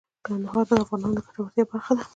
کندهار د افغانانو د ګټورتیا برخه ده.